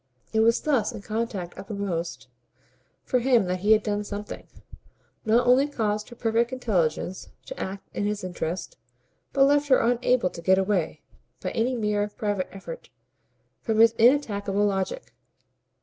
It was thus in contact uppermost for him that he had done something; not only caused her perfect intelligence to act in his interest, but left her unable to get away, by any mere private effort, from his inattackable logic.